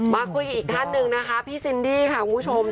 มาคุยอีกท่านหนึ่งนะคะพี่ซินดี้ค่ะคุณผู้ชม